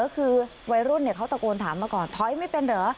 คือวัยรุ่นเขาตะโกนถามมาก่อนถอยไม่เป็นเหรอ